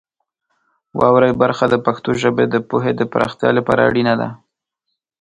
واورئ برخه د پښتو ژبې د پوهې د پراختیا لپاره اړینه ده.